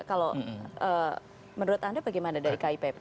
kalau menurut anda bagaimana dari kipp